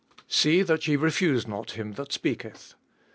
See that ye refuse not him that speaketh.